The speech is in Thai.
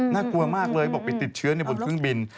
น่ากลัวมากเลยบอกไปติดเชื้อในบนเครื่องบิน